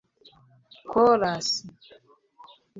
Chorus